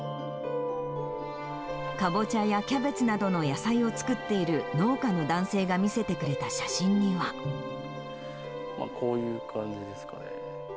カボチャやキャベツなどの野菜を作っている農家の男性が見せてくこういう感じですかね。